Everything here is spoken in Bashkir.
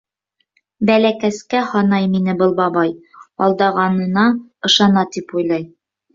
Бәләкәскә һанай мине был бабай, алдағанына ышана тип уйлай.